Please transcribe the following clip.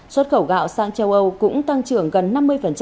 xuất khẩu gạo sang châu âu cũng tăng trưởng gần năm mươi